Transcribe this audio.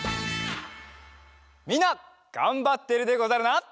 みんながんばっているでござるな。